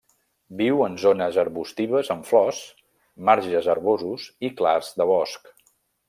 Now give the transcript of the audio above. Viu en zones arbustives amb flors, marges herbosos i clars de bosc.